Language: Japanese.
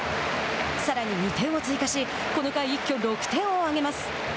さらに２点を追加しこの回一挙６点をあげます。